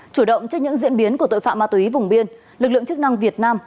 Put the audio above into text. chủ động trước những diễn biến của tội phạm ma túy vùng biên lực lượng chức năng việt nam